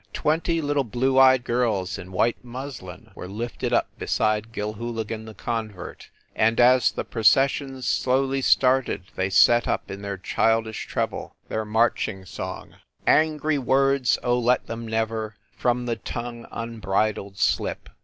Twenty little blue eyed girls in white muslin were lifted up beside Gilhooligan the convert, and, as the procession slowly started they set up, in their child ish treble, their marching song; 202 FIND THE WOMAN "Angry words ! Oh let them never From the tongue, unbridled slip